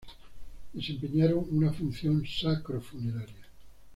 Desempeñaron una función sacro-funeraria.